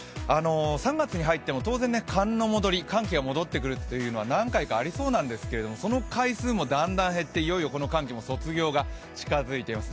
３月に入っても当然寒の戻り寒気が戻ってくるのは何回かありそうなんですけれども、だんだん減って、いよいよこの寒気も卒業が近づいています。